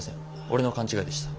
俺の勘違いでした。